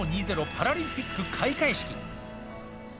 パラリンピック開会式。